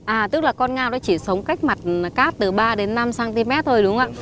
à tức là con ngao nó chỉ sống cách mặt cát từ ba đến năm cm thôi đúng không ạ